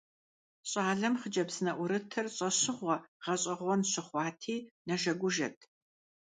Щӏалэм хъыджэбз нэӀурытыр щӀэщыгъуэ, гъэщӀэгъуэн щыхъуати, нэжэгужэт.